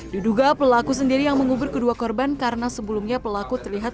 diduga pelaku sendiri yang mengubur kedua korban karena sebelumnya pelaku terlihat